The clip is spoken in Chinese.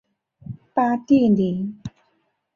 巴蒂尼。